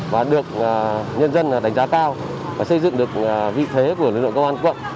và được nhân dân đánh giá cao và xây dựng được vị thế của lực lượng công an quận